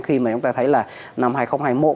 khi mà chúng ta thấy là năm hai nghìn hai mươi một